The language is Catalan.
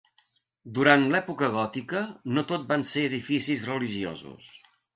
Durant l'època gòtica, no tot van ser edificis religiosos.